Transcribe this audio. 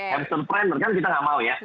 hamster planner kan kita nggak mau ya